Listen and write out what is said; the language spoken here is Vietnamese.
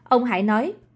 ông hải nói